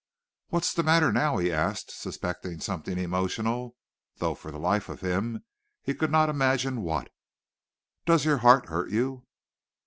"What's the matter now?" he asked, suspecting something emotional, though for the life of him he could not imagine what. "Does your heart hurt you?"